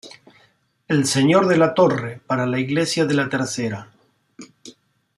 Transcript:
El "Señor de la Torre", para la iglesia de la Tercera.